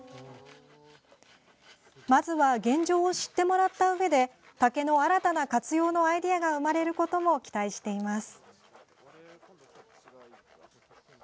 まずは現状を知ってもらったうえで竹の新たな活用のアイデアが生まれることも期待しています。